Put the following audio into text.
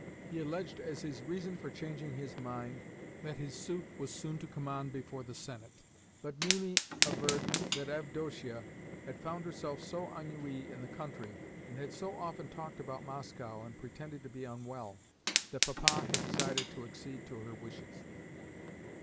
He alleged as his reason for changing his mind that his suit was shortly to come on before the Senate, but Mimi averred that Avdotia had found herself so ennuyee in the country, and had so often talked about Moscow and pretended to be unwell, that Papa had decided to accede to her wishes.